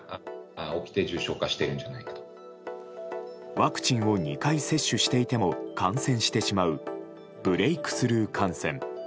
ワクチンを２回接種していても感染してしまうブレークスルー感染。